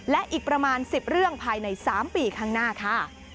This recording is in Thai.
และอีกประมาณ๑๐เรื่องภายใน๓ปีข้างหน้าค่ะ